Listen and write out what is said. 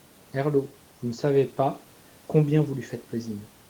Herlaut. — Vous ne savez pas combien vous lui faites plaisir.